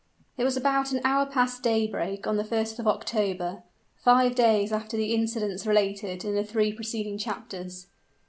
It was about an hour past daybreak on the 1st of October, five days after the incidents related in the three preceding chapters.